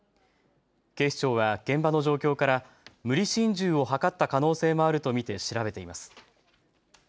警視庁は現場の状況から無理心中を図った可能性もあると見て調べています。